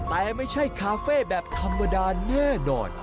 แต่ไม่ใช่คาเฟ่แบบธรรมดาแน่นอน